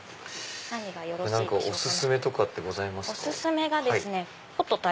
お薦めとかってございますか？